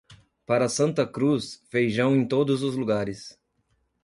Para Santa Cruz, feijão em todos os lugares.